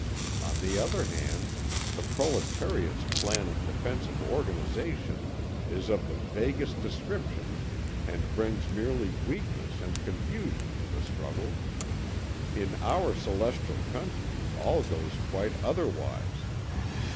On the other hand, the proletariat's plan of defensive organisation is of the vaguest description and brings merely weakness and confusion to the struggle. In our celestial country all goes quite otherwise.